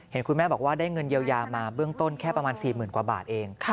คุณแม่บอกว่าได้เงินเยียวยามาเบื้องต้นแค่ประมาณ๔๐๐๐กว่าบาทเอง